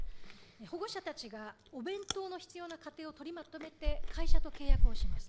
保護者たちがお弁当の必要な家庭を取りまとめて会社と契約をします。